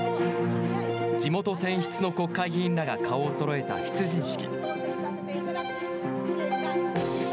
地元選出の国会議員らが顔をそろえた出陣式。